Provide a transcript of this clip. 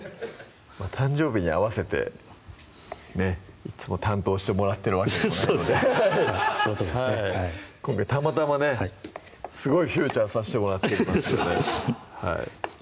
誕生日に合わせてねいつも担当してもらってるわけでもないのでそのとおりですね今回たまたまねすごいフューチャーさせてもらっていますよね